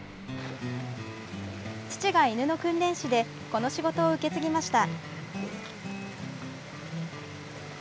父が犬の訓練士でこの仕事を受け継ぎました。